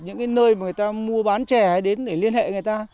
những cái nơi mà người ta mua bán trẻ đến để liên hệ người ta